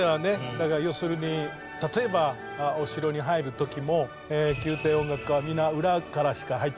だから要するに例えばお城に入る時も宮廷音楽家は皆裏からしか入っちゃいけなかったんですよ。